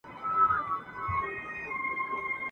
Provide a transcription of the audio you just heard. مُلا پرون مسلې کړلې د روژې د ثواب !.